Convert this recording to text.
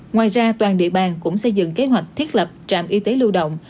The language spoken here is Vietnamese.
ngoài ra toàn địa bàn cũng xây dựng kế hoạch thiết lập trạm y tế lưu động